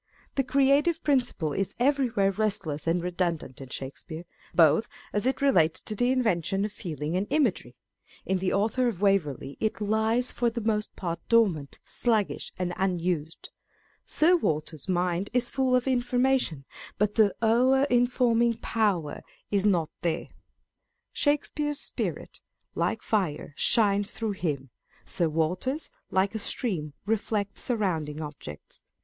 The creative principle is everywhere restless and redundant in Shakespeare, both as it relates to the invention of feeling and imagery ; in the Author of Waverley it lies for the most part dormant, bluggish, and unused. Sir Walter's mind is full of information, but the " o'er informing power " Scott, Racine, and Shakespeare. 479 is not there. Shakespeare's spirit, like fire, shines through him : Sir Walter's, like a stream, reflects surrounding objects.